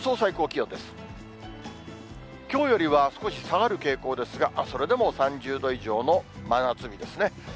きょうよりは少し下がる傾向ですが、それでも３０度以上の真夏日ですね。